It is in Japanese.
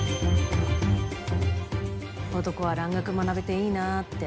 男は蘭学学べていいなぁって。